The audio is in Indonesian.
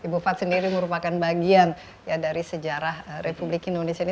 bufat sendiri merupakan bagian dari sejarah republik indonesia ini